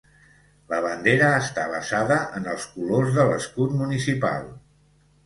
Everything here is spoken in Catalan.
La bandera està basada en els colors de l'escut municipal.